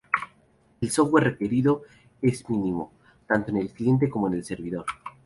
El software requerido es mínimo, tanto en el cliente como en el servidor.